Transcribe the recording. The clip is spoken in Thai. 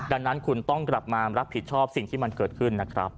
ดังนั้นคุณต้องกลับมารับผิดชอบสิ่งที่มันเกิดขึ้นนะครับ